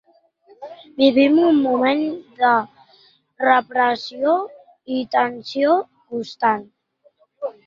Vivim un moment de repressió i tensió constant.